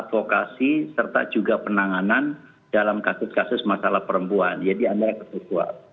rokas perempuan yang diantara untuk mengadakan konsumen perempuan